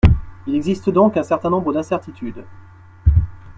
Il existe donc un certain nombre d’incertitudes.